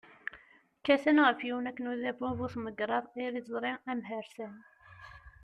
Kkaten ɣef yiwen akken udabu bu-tmegraḍ, iriẓri, amhersan.